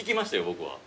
僕は。